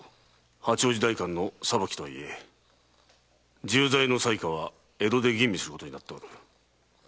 八王子代官の裁きとはいえ重罪の裁可は江戸で吟味することになっておる。